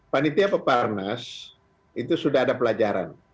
panitia peparnas itu sudah ada pelajaran